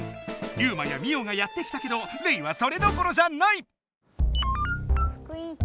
ユウマやミオがやって来たけどレイはそれどころじゃない！